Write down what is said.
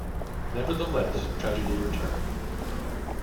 Nevertheless, tragedy returned.